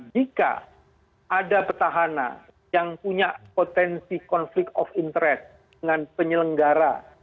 jika ada petahana yang punya potensi konflik of interest dengan penyelenggara